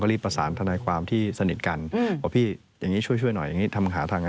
บอกพี่อย่างนี้ช่วยหน่อยอย่างนี้ทำหาทาง